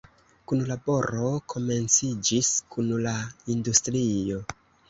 Kunlaboro komenciĝis kun la industrio.